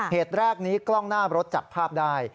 เหตุแรกนี้กล้องหน้ารถจับภาพได้